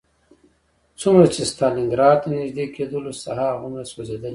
څومره چې ستالینګراډ ته نږدې کېدلو ساحه هغومره سوځېدلې وه